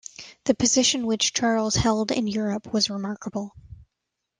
The position which Charles held in Europe was remarkable.